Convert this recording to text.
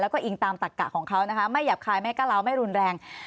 แล้วก็อิงตามตักกะของเขานะคะไม่หยาบคายไม่กล้าล้าวไม่รุนแรง